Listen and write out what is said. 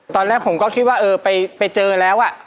ตอนแรกผมก็คิดว่าเออไปเจอแล้ว